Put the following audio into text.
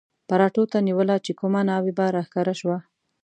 پراټو ته نیوله چې کومه ناوې به را ښکاره شوه.